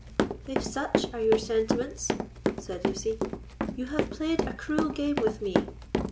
"If such are your sentiments," said Lucy, "you have played a cruel game with me.